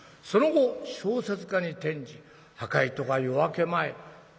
その後小説家に転じ『破戒』とか『夜明け前』。